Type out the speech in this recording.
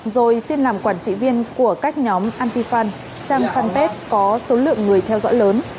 rồi xin làm quản trị viên của các nhóm antifan trang fanpage có số lượng người theo dõi lớn